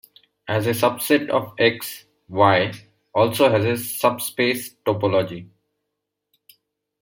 As a subset of "X", "Y" also has a subspace topology.